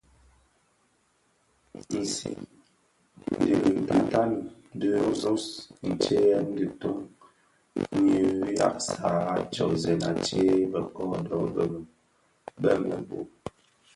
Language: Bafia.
Nsiň dhi ditani di nôs, ntseyèn diton nyi nʼyaksag tsōzèn atsee bë kodo bëmebög.